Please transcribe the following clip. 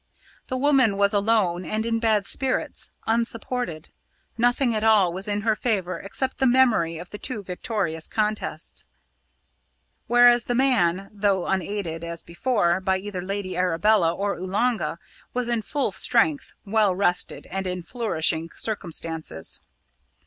The woman was alone and in bad spirits, unsupported; nothing at all was in her favour except the memory of the two victorious contests; whereas the man, though unaided, as before, by either Lady Arabella or Oolanga, was in full strength, well rested, and in flourishing circumstances.